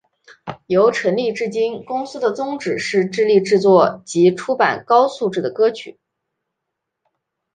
由成立至今公司的宗旨是致力制作及出版高质素的歌曲。